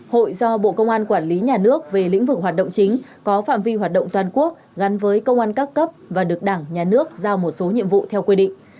hội do bộ công an quản lý nhà nước về lĩnh vực hoạt động chính có phạm vi hoạt động toàn quốc gắn với công an các cấp và được đảng nhà nước giao một số nhiệm vụ theo quy định